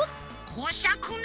こしゃくな。